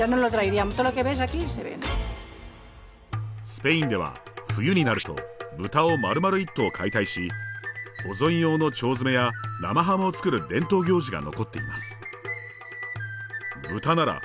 スペインでは冬になると豚をまるまる一頭解体し保存用の腸詰めや生ハムを作る伝統行事が残っています。